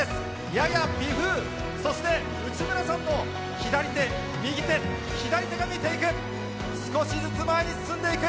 やや微風、そして内村さんの左手、右手、左手が見えていく、少しずつ前に進んでいく。